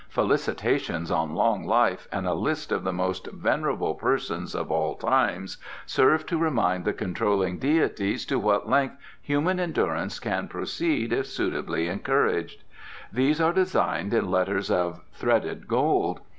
Felicitations on long life and a list of the most venerable persons of all times serve to remind the controlling deities to what length human endurance can proceed if suitably encouraged. These are designed in letters of threaded gold.